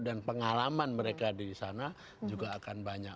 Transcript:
dan pengalaman mereka di sana juga akan banyak